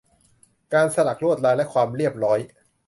การสลักลวดลาย และความเรียบร้อย